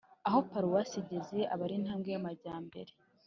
aho paroisse igeze aba ari intambwe y’amajyambere